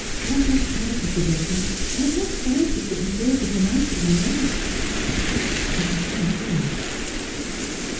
I have tried to forget him ; I have tried to put the thought of him out of my life. But I can't do it.'